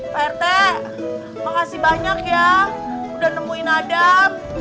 pak rt makasih banyak ya udah nemuin adab